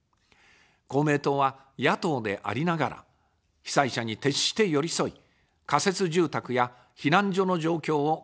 公明党は野党でありながら、被災者に徹して寄り添い、仮設住宅や避難所の状況を改善。